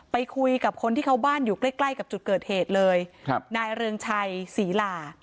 ไปคุยกับคนที่เขาบ้านอยู่ใกล้ใกล้กับจุดเกิดเหตุเลยครับนายเรืองชัยศรีลา